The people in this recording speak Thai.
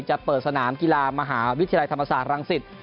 จะเปิดสนามกีฬามหาวิทยาลัยธรรมศาสตรังสิต